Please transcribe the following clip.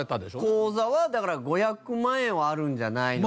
口座はだから５００万円はあるんじゃないのかな？